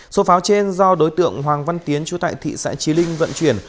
số pháo trên do đối tượng hoàng văn tiến chú tại thị xã trí linh vận chuyển